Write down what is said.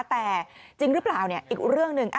แต่จริงรึเปล่าเนี่ยอีกเรื่องนึง